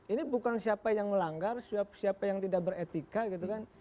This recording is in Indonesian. ini bukan siapa yang melanggar siapa yang tidak beretika gitu kan